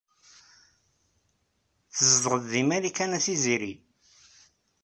Tzedɣeḍ deg Marikan a Tiziri?